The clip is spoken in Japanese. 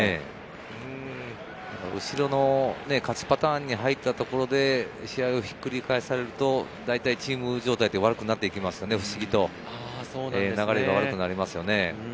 後ろの勝ちパターンに入ったところで、試合をひっくり返されるとチーム状態って悪くなっていきますよね、不思議と流れが悪くなります。